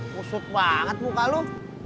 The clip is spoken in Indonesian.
pusut banget muka lo